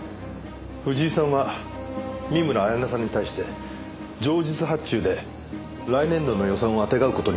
藤井さんは見村彩那さんに対して情実発注で来年度の予算をあてがう事にしていた。